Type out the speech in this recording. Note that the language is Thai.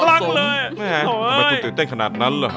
แม่ทำไมคุณตื่นเต้นขนาดนั้นเหรอฮ